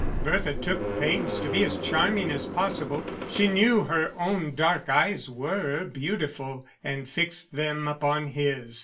Bertha took pains to be as charming as possible; she knew her own dark eyes were beautiful, and fixed them upon his.